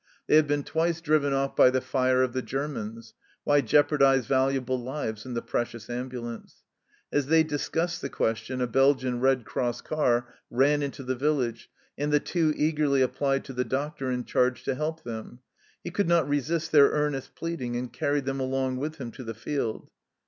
They had been twice driven off by the fire of the Germans why jeopardize valuable lives and the precious ambulance ? As they discussed the question a Belgian Red Cross car ran into the village, and the Two eagerly applied to the doctor in charge to help them. He could not resist their earnest pleading, and carried them along with him to the field.